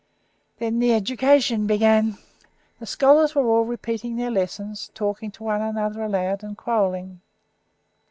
Then education began; the scholars were all repeating their lessons, talking to one another aloud and quarrelling.